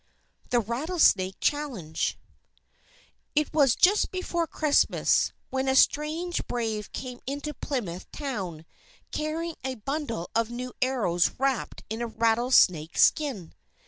THE RATTLESNAKE CHALLENGE It was just before Christmas, when a strange Brave came into Plymouth town, carrying a bundle of new arrows wrapped in a rattlesnake skin.